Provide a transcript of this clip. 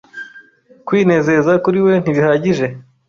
Kwinezeza kuri we ntibihagije